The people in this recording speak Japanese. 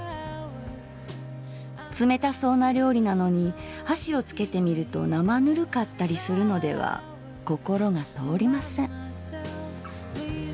「つめたそうな料理なのに箸をつけて見るとなまぬるかったりするのでは心が通りません」。